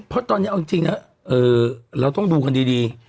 เพราะตอนนี้เอาจริงนะเราต้องดูกันดี